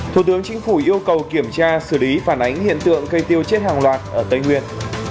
thủ tướng chính phủ yêu cầu kiểm tra xử lý phản ánh hiện tượng cây tiêu chết hàng loạt ở tây nguyên